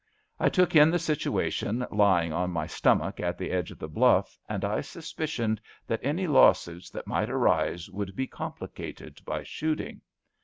I took in the situation lying on my stomach at the edge of the bluff, and I suspicioned that any law suits that might arise would be complicated by shooting.